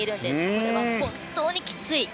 これは本当にきつい。